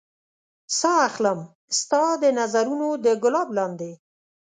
ساه اخلم ستا د نظرونو د ګلاب لاندې